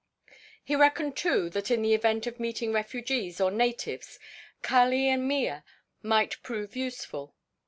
He reckoned too that in the event of meeting refugees or natives Kali and Mea might prove useful.